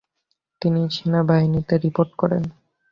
তিনি সেনাবাহিনীতে রিপোর্ট করেন।